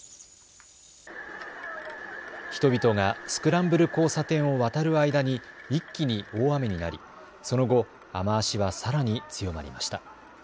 人々がスクランブル交差点を渡る間に一気に大雨になりその後、雨足はさらに強まりました。